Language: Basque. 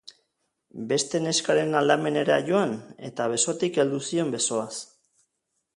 Beste neskaren aldamenera joan, eta besotik heldu zion besoaz.